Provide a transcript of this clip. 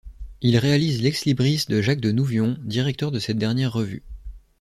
Il réalise l'ex-libris de Jacques de Nouvion, directeur de cette dernière revue.